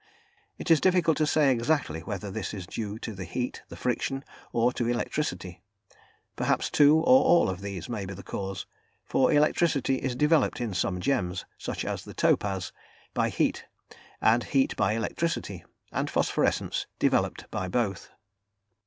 It is difficult to say exactly whether this is due to the heat, the friction, or to electricity. Perhaps two or all of these may be the cause, for electricity is developed in some gems such as the topaz by heat, and heat by electricity, and phosphorescence developed by both.